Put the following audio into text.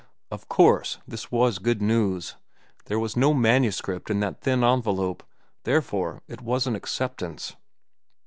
Of course this was good news. There was no manuscript in that thin envelope, therefore it was an acceptance.